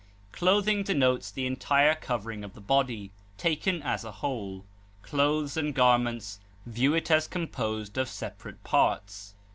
Clothing denotes the entire covering of the body, taken as a whole; clothes and garments view it as composed of separate parts.